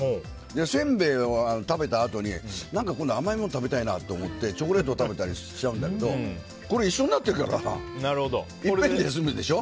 せんべいを食べたあとに何か、今度は甘いもの食べたいなと思ってチョコレート食べたりしちゃうんだけどこれ、一緒になってるからいっぺんで済むでしょ。